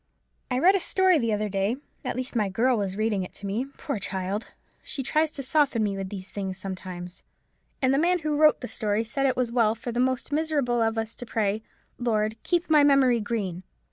I read a story the other day—at least my girl was reading it to me; poor child! she tries to soften me with these things sometimes—and the man who wrote the story said it was well for the most miserable of us to pray, 'Lord, keep my memory green!'